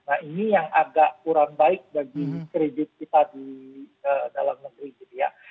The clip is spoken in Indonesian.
nah ini yang agak kurang baik bagi kredit kita di dalam negeri gitu ya